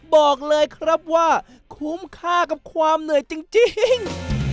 บอกเลยครับว่าคุ้มค่ากับความเหนื่อยจริง